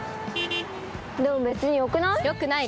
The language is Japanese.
でも別によくない？